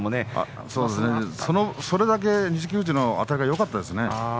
それだけ、錦富士のあたりがよかったですね。